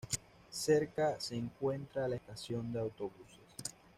Cerca se encuentra la estación de autobuses.